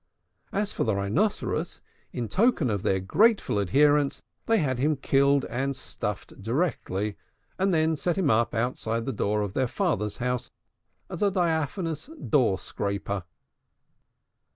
As for the Rhinoceros, in token of their grateful adherence, they had him killed and stuffed directly, and then set him up outside the door of their father's house as a diaphanous doorscraper.